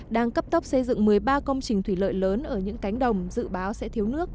đang cấp tốc xây dựng một mươi ba công trình thủy lợi lớn ở những cánh đồng dự báo sẽ thiếu nước